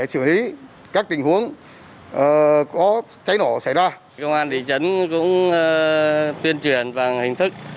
xử lý các tình huống có cháy nổ xảy ra công an thị trấn cũng tuyên truyền bằng hình thức